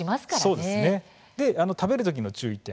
食べる時の注意点